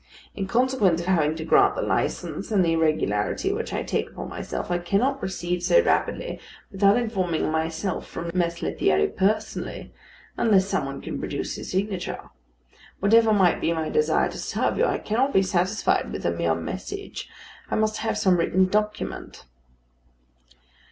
In consequence of having to grant the licence, and of the irregularity which I take upon myself, I cannot proceed so rapidly without informing myself from Mess Lethierry personally, unless some one can produce his signature. Whatever might be my desire to serve you, I cannot be satisfied with a mere message. I must have some written document."